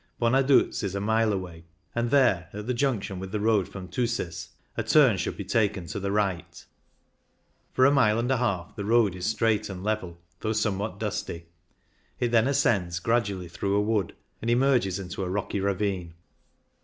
Bonaduz is a mile away, and there, at the junction with the road from Thusis, a turn should be taken to the right For a mile and a half the road is straight and level, though some what dusty. It then ascends gradually through a wood and emerges into a rocky ravine.